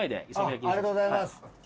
ありがとうございます。